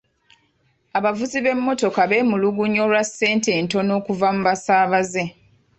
Abavuzi b'emmotoka beemulugunya olwa ssente entono okuva mu basaabaze.